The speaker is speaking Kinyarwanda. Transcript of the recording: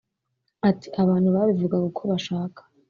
Ati “Abantu babivugaga uko bashaka